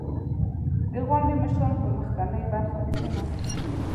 • د غونډې مشران په مخکینۍ برخه کښېناستل.